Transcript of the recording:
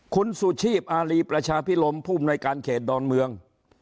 คุณสุชีพอารีประชาพิรมผู้อำนวยการเขตดอนเมือง